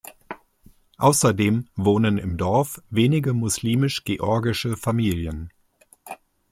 Außerdem wohnen im Dorf wenige muslimisch-georgische Familien.